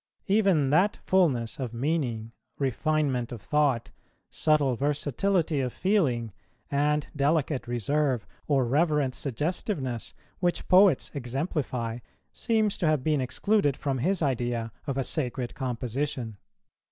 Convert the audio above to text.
Even that fulness, of meaning, refinement of thought, subtle versatility of feeling, and delicate reserve or reverent suggestiveness, which poets exemplify, seems to have been excluded from his idea of a sacred composition.